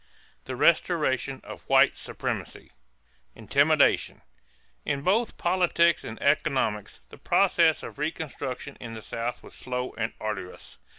THE RESTORATION OF WHITE SUPREMACY =Intimidation.= In both politics and economics, the process of reconstruction in the South was slow and arduous.